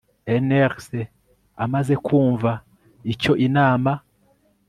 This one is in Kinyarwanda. NLC amaze kwumva icyo Inama